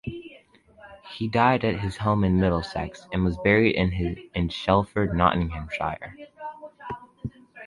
He died at his home in Middlesex, and was buried in Shelford, Nottinghamshire.